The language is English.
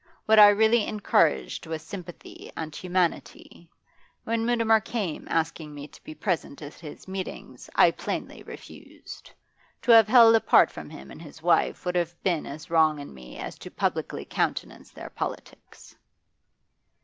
What I really encouraged was sympathy and humanity. When Mutimer came asking me to be present at his meetings I plainly refused. To have held apart from him and his wife would have been as wrong in me as to publicly countenance their politics.